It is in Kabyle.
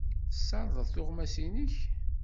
Tessardeḍ tuɣmas-nnek?